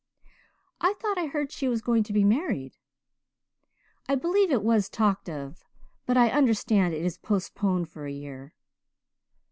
"I thought I heard she was going to be married?" "I believe it was talked of but I understand it is postponed for a year."